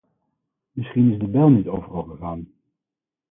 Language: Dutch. Misschien is de bel niet overal gegaan.